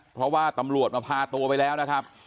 เพราะว่าตำรวจมาพาตัวไปแล้วนะครับ